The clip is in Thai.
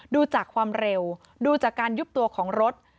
ดูจากความเร็วดูจากการยุบตัวของรถ